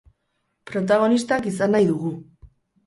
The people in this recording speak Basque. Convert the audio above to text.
Protagonistak izan nahi dugu.